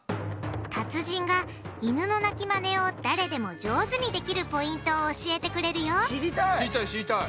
達人がイヌの鳴きマネを誰でも上手にできるポイントを教えてくれるよ知りたい！